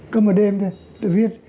có một đêm tôi viết